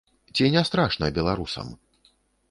Ці не страшна беларусам?